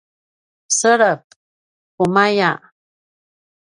selep: pumaya